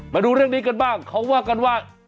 มาดูเรื่องนี้กันบ้างเขาว่ากันว่า